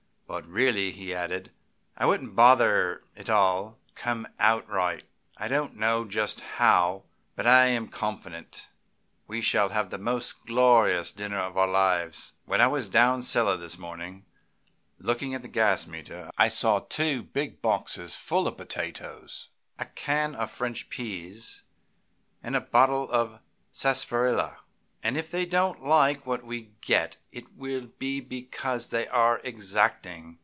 But really," he added, "I wouldn't bother; it'll all come out right. I don't know just how, but I am confident we shall have the most glorious dinner of our lives. When I was down cellar this morning looking at the gas meter I saw two big boxes full of potatoes, a can of French pease, and a bottle of sarsaparilla, and if they don't like what they get it will be because they are exacting.